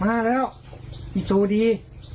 มาแล้วตัวดี